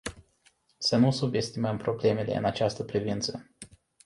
Să nu subestimăm problemele în această privință.